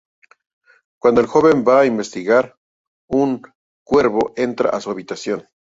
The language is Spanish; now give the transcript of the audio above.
Cuando el joven va a investigar, un cuervo entra a su habitación.